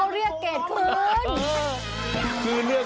เดี๋ยวครูเขาเรียกเกรดคืน